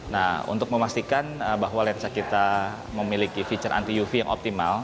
nah untuk memastikan bahwa lensa kita memiliki fitur anti uv yang optimal